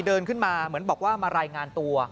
เดินขึ้นมาเหมือนบอกว่ามารายงานตัว